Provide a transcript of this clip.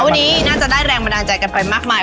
วันนี้น่าจะได้แรงบันดาลใจกันไปมากมาย